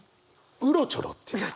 「うろちょろ」っていうのが。